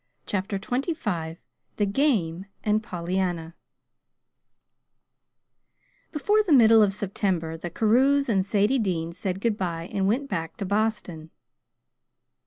CHAPTER XXV THE GAME AND POLLYANNA Before the middle of September the Carews and Sadie Dean said good by and went back to Boston.